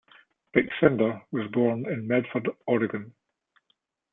Vic Snyder was born in Medford, Oregon.